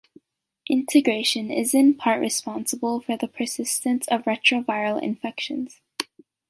Integration is in part responsible for the persistence of retroviral infections.